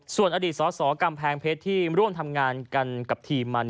ส่วนอดีตสสกำแพงเพชรที่ร่วมทำงานกันกับทีมมัน